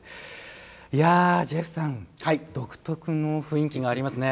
いやあジェフさん独特の雰囲気がありますね。